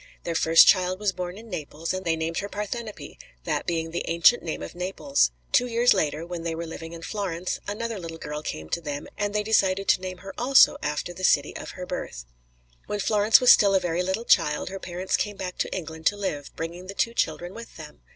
Their first child was born in Naples, and they named her Parthenope, that being the ancient name of Naples; two years later, when they were living in Florence, another little girl came to them, and they decided to name her also after the city of her birth. When Florence was still a very little child her parents came back to England to live, bringing the two children with them.